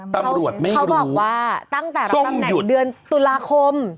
ตำรวจไม่รู้เขาบอกว่าตั้งแต่รับตำแหน่งเดือนตุลาคม